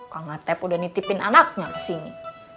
kang atep udah nitipin anaknya kesini